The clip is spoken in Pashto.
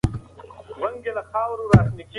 ادبي موضوعات باید په علمي بڼه وڅېړل شي.